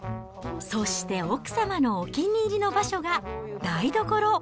そして、奥様のお気に入りの場所が台所。